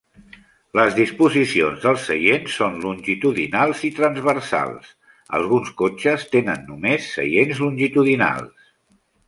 Les disposicions dels seients són longitudinals i transversals; alguns cotxes tenen només seients longitudinals.